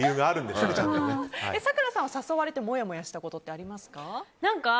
咲楽さんは誘われてもやもやしたことありますか？